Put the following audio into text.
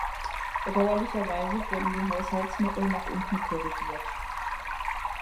Bedauerlicherweise wurden die Haushaltsmittel nach unten korrigiert.